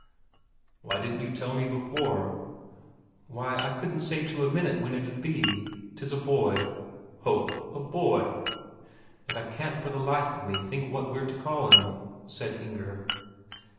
"Why didn't you tell me before?" "Why, I couldn't say to a minute when it'd be. 'Tis a boy." "Ho, a boy." "And I can't for the life of me think what we're to call him," said Inger.